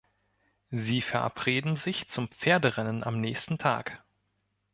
Sie verabreden sich zum Pferderennen am nächsten Tag.